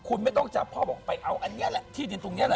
คุณไม่ต้องจับพ่อบอกไปเอาอันนี้แหละที่ดินตรงนี้แหละ